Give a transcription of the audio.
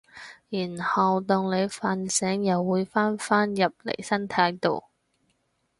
然後當你瞓醒又會返返入嚟身體度